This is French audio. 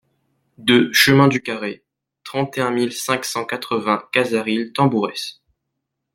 deux chemin du Carrey, trente et un mille cinq cent quatre-vingts Cazaril-Tambourès